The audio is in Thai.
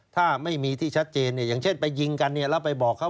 ถ้าไม่มีที่ชัดเจนอย่างเช่นไปยิงกันเนี่ยแล้วไปบอกเขา